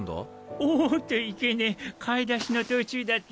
おっといけねえ買い出しの途中だった。